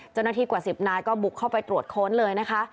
จนนาทีกว่า๑๐นาทีก็บุกเข้าไปตรวจโค้นเลยนะคะ